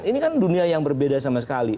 ini kan dunia yang berbeda sama sekali